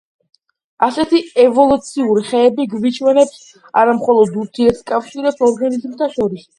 ასეთი ევოლუციური ხეები გვიჩვენებს არა მხოლოდ ურთიერთკავშირებს ორგანიზმთა შორის.